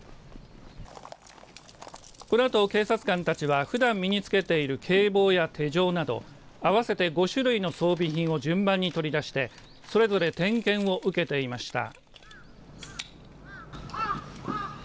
このあと警察官たちはふだん身につけている警棒や手錠など合わせて５種類の装備品を順番に取り出してそれぞれ点検を受けていました。